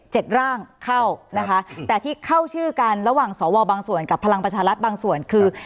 ร่างเข้านะคะแต่ที่เข้าชื่อกันระหว่างสวบางส่วนกับพลังประชารัฐบางส่วนคือ